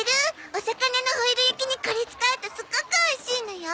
お魚のホイル焼きにこれ使うとすごくおいしいのよ。